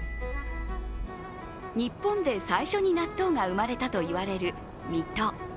日本で最初に納豆が生まれたといわれる水戸。